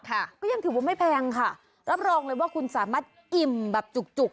ก็ยังถือว่าไม่แพงค่ะรับรองเลยว่าคุณสามารถอิ่มแบบจุกจุก